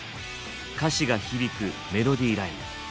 歌詞が響くメロディーライン。